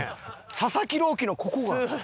佐々木朗希のここが。